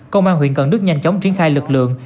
công an huyện cần đức nhanh chóng triển khai lực lượng